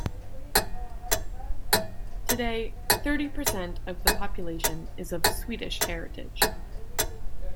Today, thirty percent of the population is of Swedish heritage.